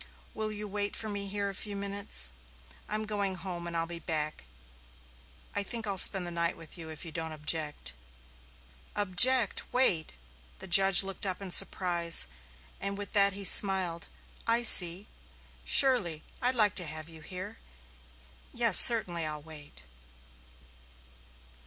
"Will you wait for me here a few minutes? I'm going home and I'll be back. I think I'll spend the night with you if you don't object." "Object! Wait!" The judge looked up in surprise, and with that he smiled. "I see. Surely. I'd like to have you here. Yes, I'll certainly wait."